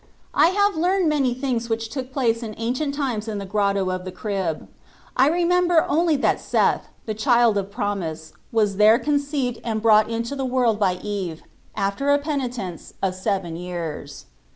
I have learned many things which took place in ancient times in the Grotto of the Crib. I remember only that Seth, the child of promise, was there conceived and Xorfc 3C9U8 Cbrtst. 75 brought into the world by Eve, after a penitence of seven years.